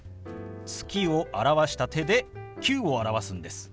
「月」を表した手で「９」を表すんです。